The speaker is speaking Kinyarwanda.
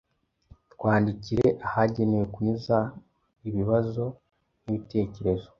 Twandikire ahagenewe kunyuza ibibazo n’ibitekerezo